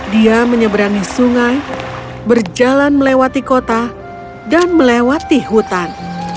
dia menyeberangi sungai berjalan melewati kota dan melewati hutan